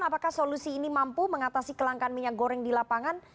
apakah solusi ini mampu mengatasi kelangkan minyak goreng di lapangan